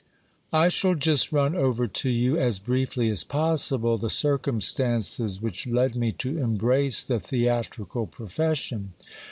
% I shall just run over to you, as briefly as possible, the circumstances which led me to embrace the theatrical profession.